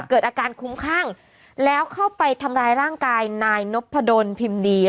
เกิดอาการคุ้มข้างแล้วเข้าไปทำร้ายร่างกายนายนพดลพิมพ์ดี